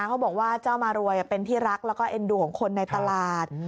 เขาบอกว่าเจ้ามารวยเป็นที่รักแล้วก็เอ็นดูของคนในตลาด